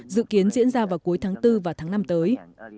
dự kiến diễn ra vào cuối tháng bốn và tháng năm tới